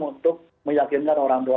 untuk meyakinkan orang tua